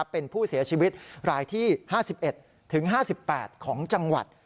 เป็นผู้เสียชีวิตรายที่๕๑๕๘ของจังหวัด